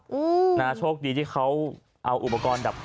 โอ้โหออกมาจากการไปซื้อของเห็นอย่างนี้ก็ตกใจสิครับ